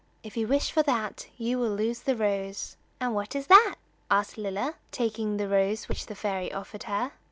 If you wish for that you will lose the rose." "And what is that?" asked Lilla, taking the rose which the fairy offered her.